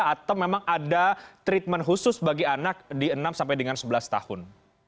atau memang ada treatment khusus bagi anak di enam sampai dengan sebelas tahun